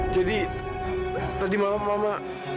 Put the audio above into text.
jadi tadi malam mama